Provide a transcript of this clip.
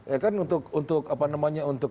ya kan untuk apa namanya untuk